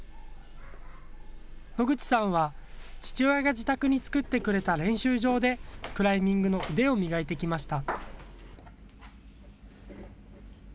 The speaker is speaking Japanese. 野口さんは父親が自宅に作ってくれた練習場でクライミングの腕を磨いてきました。